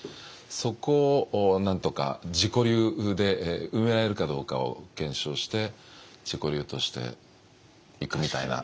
そこをなんとか自己流で埋められるかどうかを検証して自己流としていくみたいな考え方ですかね。